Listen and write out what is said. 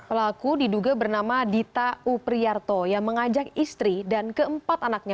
pelaku diduga bernama dita upriyarto yang mengajak istri dan keempat anaknya